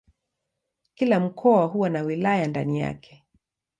Kila mkoa huwa na wilaya ndani yake.